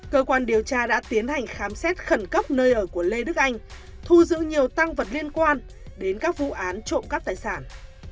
cơ quan điều tra đã tiến hành khám xét khẩn cấp nơi ở của lê đức anh thu giữ nhiều tăng vật liên quan đến các vụ án trộm cắp tài sản